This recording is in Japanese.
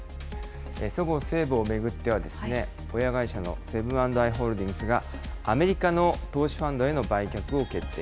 そごう・西武を巡っては、親会社のセブン＆アイ・ホールディングスが、アメリカの投資ファンドへの売却を決定。